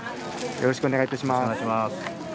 よろしくお願いします。